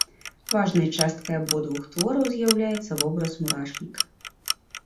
Важнай часткай абодвух твораў з'яўляецца вобраз мурашніка.